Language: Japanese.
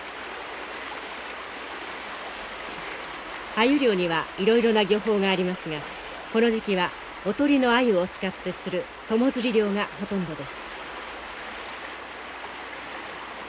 アユ漁にはいろいろな漁法がありますがこの時期はおとりのアユを使って釣る友釣り漁がほとんどです。